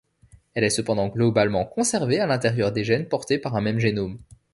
Elle est cependant globalement conservée à l'intérieur des gènes portés par un même génome.